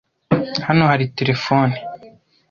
Hano hari terefone.